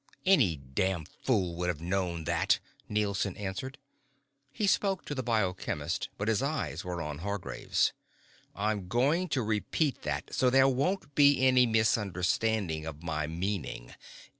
"Any damned fool would have known that!" Nielson answered. He spoke to the bio chemist but his eyes were on Hargraves. "I'm going to repeat that, so there won't be any misunderstanding of my meaning.